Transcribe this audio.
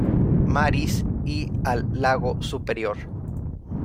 Marys y al lago Superior.